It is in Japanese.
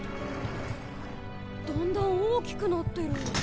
だんだん大きくなってる。